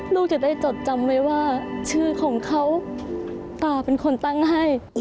ลูกจะได้จดจำไว้ว่าชื่อของเขาตาเป็นคนตั้งให้